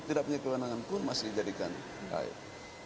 tidak punya kewenangan pun masih dijadikan layak